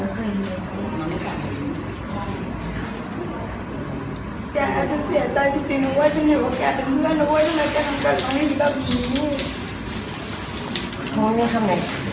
แล้วถึงหลายวันที่ผ่านมา